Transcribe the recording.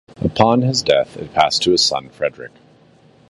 Upon his death, it passed to his son Frederick.